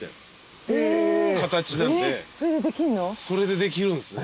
それでできんの？